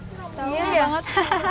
iya paham banget